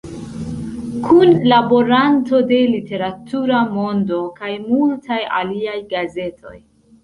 Kunlaboranto de "Literatura Mondo" kaj multaj aliaj gazetoj.